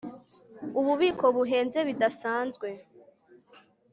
Ububiko buhenze bidasanzwe